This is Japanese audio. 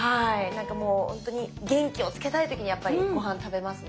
なんかもうほんとに元気をつけたい時にやっぱりご飯食べますね。